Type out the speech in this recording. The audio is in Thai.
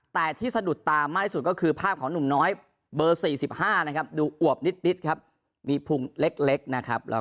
แต่ที่สะดุดตามากที่สุดก็คือภาพของหนุ่มน้อยเบอร์๔๕นะครับดูอวบนิดครับมีพุงเล็กนะครับ